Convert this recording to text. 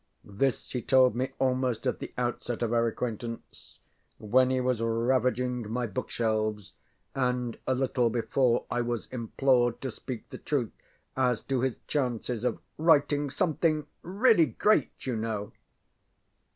This he told me almost at the outset of our acquaintance; when he was ravaging my bookshelves, and a little before I was implored to speak the truth as to his chances of ŌĆ£writing something really great, you know.